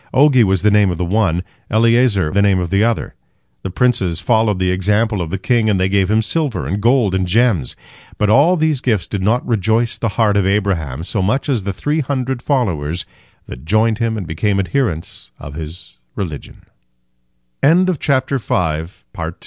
'Ogi was the name of the one, Eliezer the name of the other. The princes followed the example of the king, and they gave him silver, and gold, and gems. But all these gifts did not rejoice the heart of Abraham so much as the three hundred followers that joined him and became adherents of his r